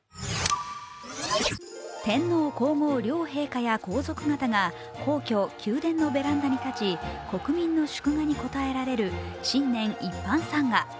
天皇皇后両陛下や皇族方が皇居・宮殿のベランダに立ち国民の祝賀に応えられる新年一般参賀。